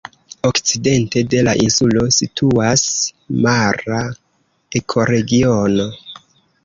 Okcidente de la insulo situas mara ekoregiono.